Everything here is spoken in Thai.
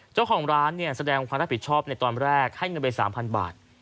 เจ้าของร้านเนี่ยแสดงความรับผิดชอบในตอนแรกให้เงินไป๓๐๐บาท